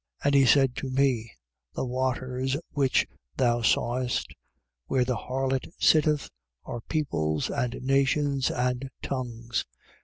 17:15. And he said to me: The waters which thou sawest, where the harlot sitteth, are peoples and nations and tongues.